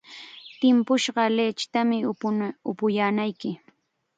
Timpushqa lichitam upuyaanayki.